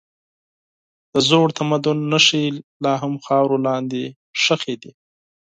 د زوړ تمدن نښې لا هم خاورو لاندې ښخي دي.